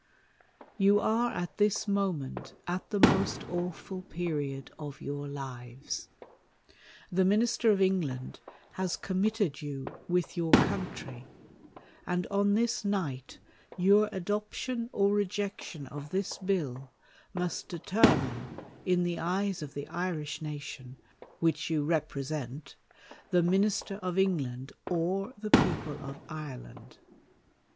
You are at this moment at the most awful period of your lives. The Minister of England has committed you with your country ; and on this night your adop tion or rejection of this bill, must determine, in the eyes of the Irish nation, wliich you represent, the Min ister of England, or the people of Ireland!